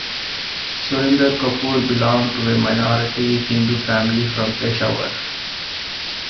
Surinder Kapoor belonged to a minority Hindu family from Peshawar.